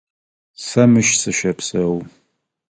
Сэ мыщ сыщэпсэу.